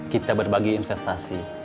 kita berbagi investasi